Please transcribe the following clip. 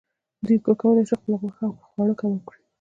دوی وکولی شول خپله غوښه او خواړه کباب کړي.